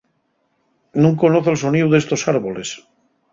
Nun conozo'l soníu d'estos árboles.